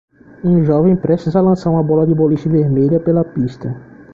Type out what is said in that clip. um jovem prestes a lançar uma bola de boliche vermelha pela pista